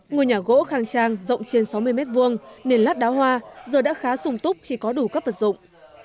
ngôi nhà gỗ khang trang rộng trên sáu mươi m hai nền lát đá hoa giờ đã khá sùng túc khi có đủ các vật dụng